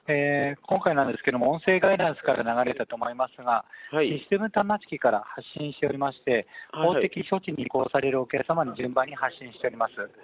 今回なんですけれども、音声ガイダンスから流れたと思いますが、システム端末機から発信しておりまして、法的処置に移行されるお客様に順番に発信しております。